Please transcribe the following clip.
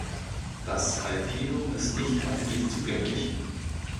Das "Alpinum" ist nicht öffentlich zugänglich.